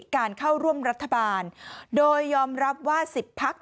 การเข้าร่วมรัฐบาลโดยยอมรับว่า๑๐พัก